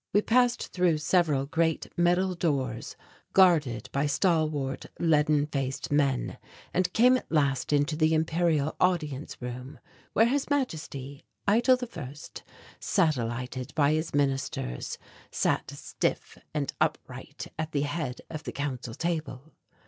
We passed through several great metal doors guarded by stalwart leaden faced men and came at last into the imperial audience room, where His Majesty, Eitel I, satellited by his ministers, sat stiff and upright at the head of the council table.